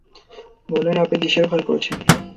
বললেন, আপনি কিসের ভয় করছেন?